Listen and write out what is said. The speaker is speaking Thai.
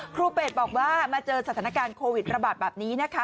เป็ดบอกว่ามาเจอสถานการณ์โควิดระบาดแบบนี้นะคะ